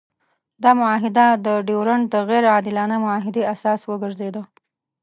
دا معاهده د ډیورنډ د غیر عادلانه معاهدې اساس وګرځېده.